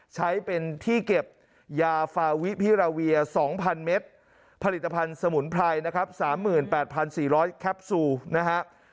ใช้เป็นที่เก็บยาฟาวิพิราเวีย๒๐๐เมตรผลิตภัณฑ์สมุนไพรนะครับ๓๘๔๐๐แคปซูลนะฮะ